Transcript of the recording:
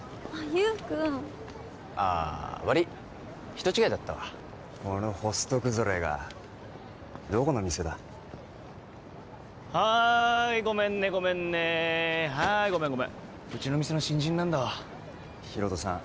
ユウくんああわりい人違いだったわこのホスト崩れがどこの店だはいごめんねごめんねはいごめんごめんうちの店の新人なんだわ・ヒロトさん